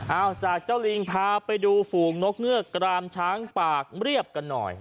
เอาจากเจ้าลิงพาไปดูฝูงนกเงือกกรามช้างปากเรียบกันหน่อย